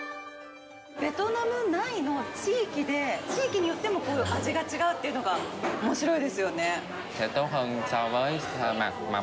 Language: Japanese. ベトナム内の地域で、地域によっても味が違うというのがおもしろいですよね。